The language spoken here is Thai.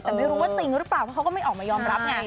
แต่ไม่รู้ว่าจริงหรือเปล่าเพราะเขาก็ไม่ออกมายอมรับไง